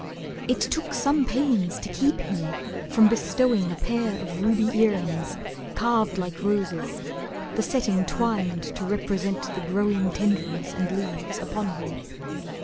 It took some pains to keep him from bestowing A pair of ruby earrings, carved like roses, The setting twined to represent the growing Tendrils and leaves, upon her.